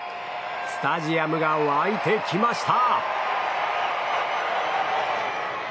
スタジアムが沸いてきました。